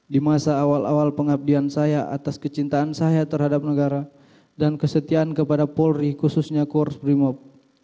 di masa awal awal pengabdian saya atas kecintaan saya terhadap negara dan kesetiaan kepada polri khususnya kurs brimob